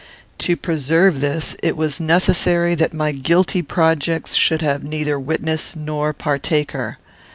To preserve this, it was necessary that my guilty projects should have neither witness nor partaker.